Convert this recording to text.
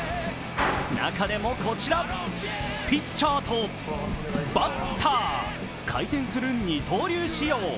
中でもこちら、ピッチャーとバッター、回転する二刀流仕様。